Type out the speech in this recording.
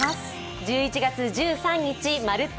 １１月１３日「まるっと！